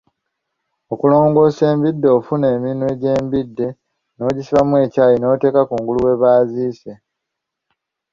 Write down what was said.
Okulongosa embidde, ofuna eminwe gy’embidde n’ogisibamu ekyayi n’oteeka kungulu we baziise.